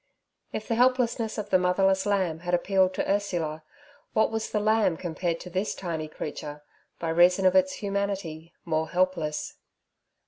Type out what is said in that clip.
If the helplessness of the motherless lamb had appealed to Ursula what was the lamb compared to this tiny creature, by reason of its humanity, more helpless?